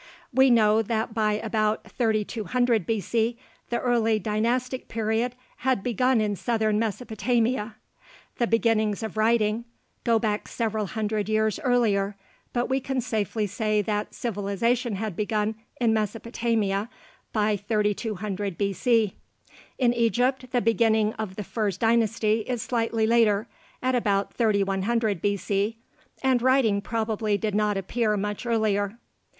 We know that by about 3200 B.C. the Early Dynastic period had begun in southern Mesopotamia. The beginnings of writing go back several hundred years earlier, but we can safely say that civilization had begun in Mesopotamia by 3200 B.C. In Egypt, the beginning of the First Dynasty is slightly later, at about 3100 B.C., and writing probably did not appear much earlier.